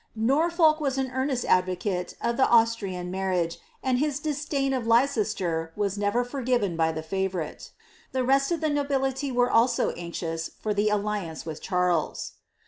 '^ Norfolk was an earnest advocate of the Austrian marriage ; and his dttdain of Leicester was never forgiven by the favourite. Tlie rest of the nobility were also anxious for the alliance with Charles.